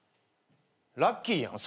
ラッキーやん。